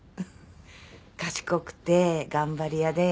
賢くて頑張り屋で。